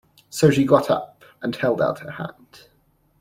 So she got up, and held out her hand.